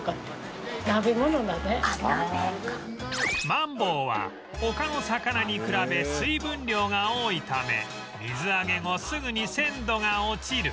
マンボウは他の魚に比べ水分量が多いため水揚げ後すぐに鮮度が落ちる